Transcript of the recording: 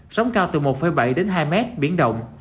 sóng cao từ một bảy đến hai mét biển động